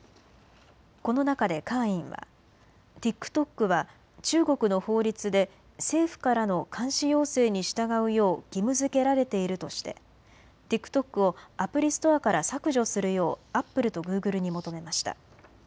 この中でカー委員はＴｉｋＴｏｋは中国の法律で政府からの監視要請に従うよう義務づけられているとしてＴｉｋＴｏｋをアプリストアから削除するようアップルとグーグルに求めました。